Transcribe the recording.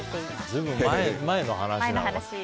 随分前の話なんだ。